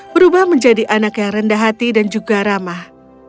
berubah menjadi anak yang rendah hati dan juga ramah